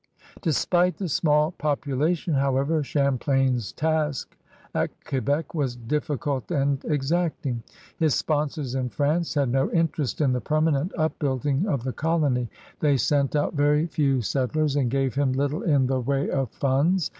Despite the small population, however, Cham plain's task at Quebec was difficult and exacting. His sponsors in France had no interest in the permanent upbuilding of the colony; they sent out very few settlers, and gave him little in the way THE FOUNDING OF NEW FRANCE 49 of funds.